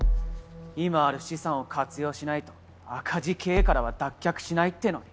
今ある資産を活用しないと赤字経営からは脱却しないってのに。